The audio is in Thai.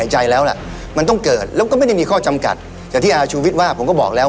ให้เราไม่ไปโฟกัสเรื่องอื่นอย่างเช่น